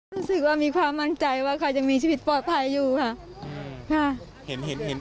รู้สึกว่ามีความมั่นใจว่าคอยจะมีชีวิตปลอดภัยอยู่ค่ะอืมค่ะเห็น